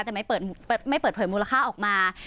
แต่ไม่เปิดเผยมูลค่าออกมา